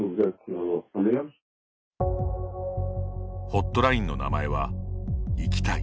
ホットラインの名前は「生きたい」。